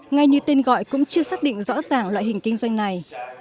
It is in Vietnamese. ngay như tên gọi cũng chưa xác định rõ ràng loại hình kinh doanh này